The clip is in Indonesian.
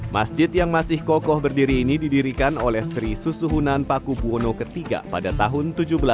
masjid yang masih kokoh berdiri ini didirikan oleh sri susuhunan paku buwono iii pada tahun seribu tujuh ratus enam puluh